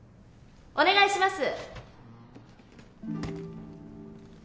お願いします。